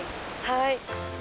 はい。